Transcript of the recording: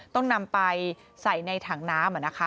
ต้องนำไปใส่ในถังน้ำ